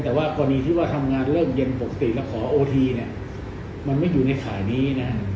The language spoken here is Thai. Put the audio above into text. แต่ว่ากรณีที่ว่าทำงานเริ่มเย็นปกติแล้วขอโอทีเนี่ยมันไม่อยู่ในข่ายนี้นะ